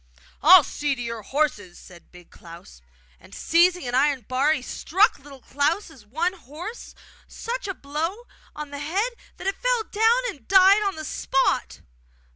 'I'll see to your horses!' said Big Klaus; and, seizing an iron bar, he struck Little Klaus' one horse such a blow on the head that it fell down and died on the spot.